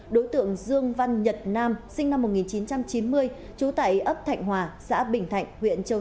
đối tượng dương văn nhật nam sinh năm một nghìn chín trăm chín mươi trú tại ấp thạnh hòa xã bình thạnh huyện châu